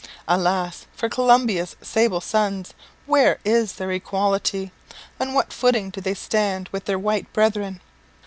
Alas! for Columbia's sable sons! Where is their equality? On what footing do they stand with their white brethren?